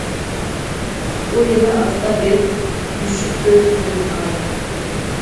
ئۇ يەنە ئاستا بېرىپ،« مۈشۈك كۆز» دىن مارىدى.